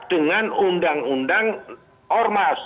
dengan undang undang ormas